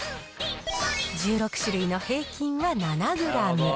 １６種類の平均は７グラム。